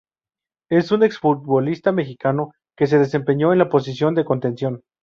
Es un exfutbolista mexicano que se desempeñó en la posición de contención.